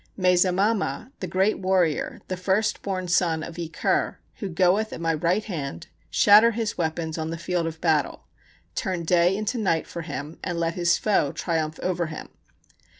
May Zamama, the great warrior, the first born son of E Kur, who goeth at my right hand, shatter his weapons on the field of battle, turn day into night for him, and let his foe triumph over him.